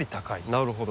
なるほど。